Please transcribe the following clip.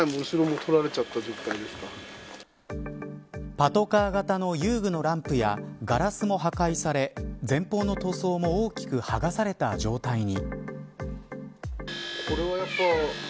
パトカー型の遊具のランプやガラスも破壊され前方の塗装も大きく剥がされた状態に。